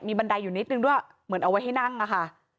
บันไดอยู่นิดนึงด้วยเหมือนเอาไว้ให้นั่งอะค่ะ